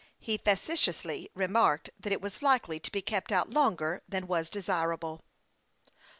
He facetiously remarked that it was likely to be kept out longer than was desirable.